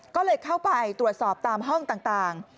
ก็เลยเข้าไปตรวจสอบตามห้องต่าง